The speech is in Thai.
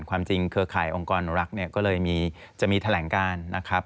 ความจริงเครือข่ายองค์กรรักก็เลยจะมีแถลงการนะครับ